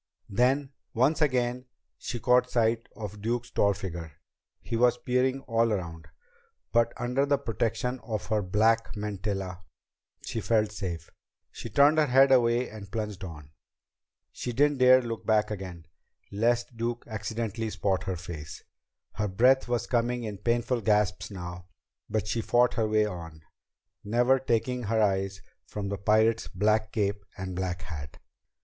Then, once again, she caught sight of Duke's tall figure. He was peering all around. But under the protection of her black mantilla, she felt safe. She turned her head away and plunged on. She didn't dare look back again, lest Duke accidentally spot her face. Her breath was coming in painful gasps now, but she fought her way on, never taking her eyes from the pirate's black cape and black hat.